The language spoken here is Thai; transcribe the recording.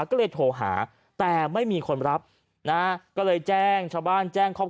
ก็เลยโทรหาแต่ไม่มีคนรับนะก็เลยแจ้งชาวบ้านแจ้งข้อมูล